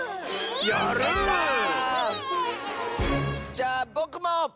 じゃあぼくも！